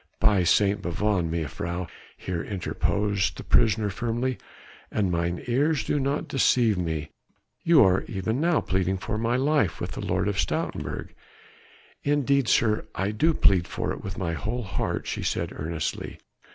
"By St. Bavon, mejuffrouw," here interposed the prisoner firmly, "an mine ears do not deceive me you are even now pleading for my life with the Lord of Stoutenburg." "Indeed, sir, I do plead for it with my whole heart," she said earnestly.